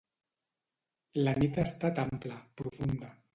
La nit ha estat ampla, profunda.